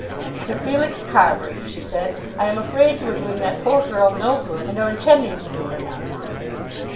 "Sir Felix Carbury," she said, "I am afraid you are doing that poor girl no good, and are intending to do her none."